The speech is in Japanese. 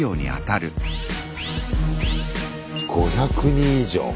５００人以上。